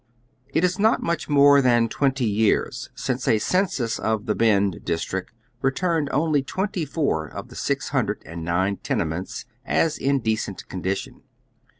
It is not much more than twenty years since a census of " the Bend " district returned only twenty four of tlio six Imndred and nine tenements as in decent condition.